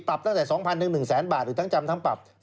ตั้งแต่๒๐๐๑แสนบาทหรือทั้งจำทั้งปรับ